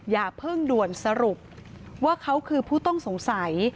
อย่าเพิ่งด่วนสรุปว่าเขาคือผู้ต้องสงสัย